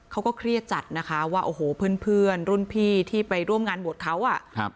เขาก็เครียดจัดนะคะว่าโอ้โหเพื่อนรุ่นพี่ที่ไปร่วมงานบวชเขาอ่ะครับ